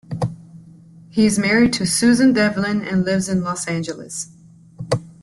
He is married to Susan Devlin and lives in Los Angeles.